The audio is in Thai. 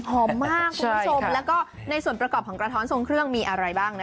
หอมมากคุณผู้ชมแล้วก็ในส่วนประกอบของกระท้อนทรงเครื่องมีอะไรบ้างนะคะ